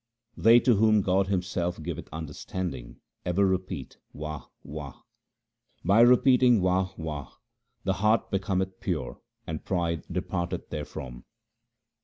They to whom God Himself giveth understanding ever repeat Wah ! Wah ! By repeating Wah ! Wah ! the heart becometh pure and pride departeth therefrom.